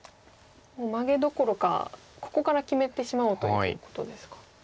もうマゲどころかここから決めてしまおうということですか。